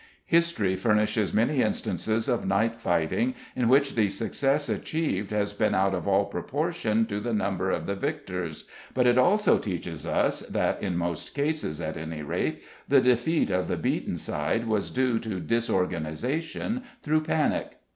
History furnishes many instances of night fighting, in which the success achieved has been out of all proportion to the number of the victors, but it also teaches us that, in most cases, at any rate, the defeat of the beaten side was due to disorganization through panic.